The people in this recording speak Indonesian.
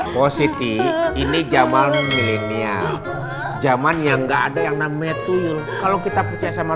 positif ini zaman milenial zaman yang enggak ada yang namanya tuyul kalau kita percaya sama